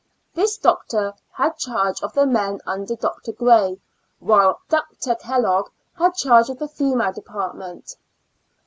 This doctor had charge of the men under Dr. Gray, while Dr. Kellogg had charge of the female department.